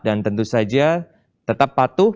dan tentu saja tetap patuh